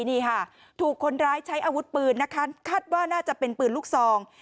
นี่ค่ะถูกคนร้ายใช้อาวุธปืนนะคะคาดว่าน่าจะเป็นปืนลูกซอง